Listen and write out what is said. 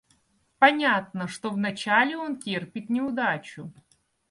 Понятно, что вначале он терпит неудачу.